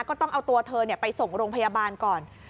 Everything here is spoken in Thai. ก็ต้องเอาตัวเธอไปส่งโรงพยาบาลก่อน